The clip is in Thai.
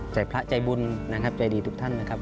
ใจพระใจบุญใจดีทุกท่านครับ